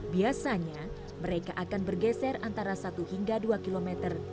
biasanya mereka akan bergeser antara satu hingga dua km